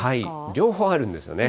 両方あるんですよね。